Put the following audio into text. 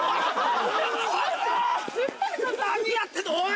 何やってんのおい！